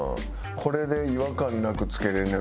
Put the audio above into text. これで違和感なく付けれんね